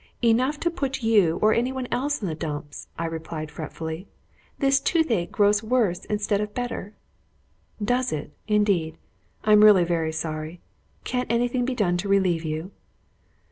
"Enough to put you or any one else in the dumps," I replied fretfully. "This tooth ache grows worse, instead of better." "Does it, indeed? I am really very sorry. Can't any thing be done to relieve you?"